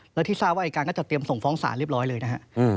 แล้วที่ทราบว่าอายการก็จะเตรียมส่งฟ้องศาลเรียบร้อยเลยนะฮะ